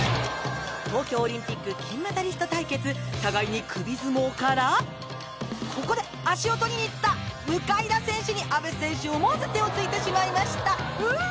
東京オリンピック金メダリスト対決互いに首相撲からここで足を取りに行った向田選手に阿部選手思わず手をついてしまいましたう！